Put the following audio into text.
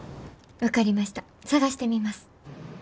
分かりました探してみます。